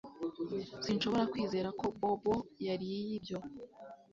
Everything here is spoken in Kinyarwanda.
Sinshobora kwizera ko Bobo yariye ibyo